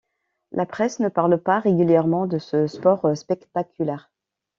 La presse ne parle pas régulièrement de ce sport spectaculaire.